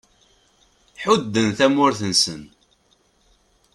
Ḥudden tamurt-nnsen.